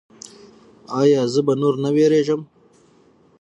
ایا زه به نور نه ویریږم؟